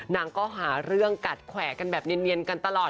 นางก็หาเรื่องกัดแขวะกันแบบเนียนกันตลอด